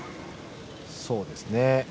そうですね。